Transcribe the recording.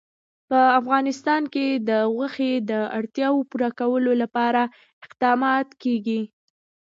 په افغانستان کې د غوښې د اړتیاوو پوره کولو لپاره اقدامات کېږي.